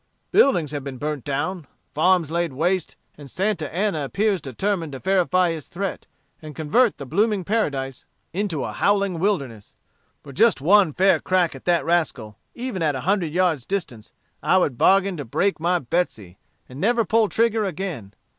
Buildings have been burnt down, farms laid waste, and Santa Anna appears determined to verify his threat, and convert the blooming paradise into a howling wilderness. For just one fair crack at that rascal, even at a hundred yards' distance, I would bargain to break my Betsey, and never pull trigger again.